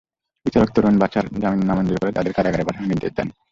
বিচারক তরুণ বাছার জামিন নামঞ্জুর করে তাঁদের কারাগারে পাঠানোর নির্দেশ দেন।